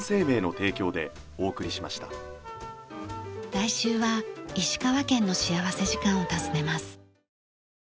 来週は石川県の幸福時間を訪ねます。